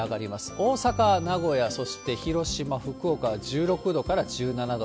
大阪、名古屋、そして広島、福岡、１６度から１７度。